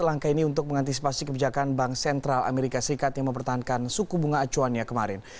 langkah ini untuk mengantisipasi kebijakan bank sentral amerika serikat yang mempertahankan suku bunga acuannya kemarin